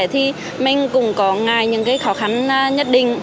thì mình cũng có ngài những khó khăn nhất định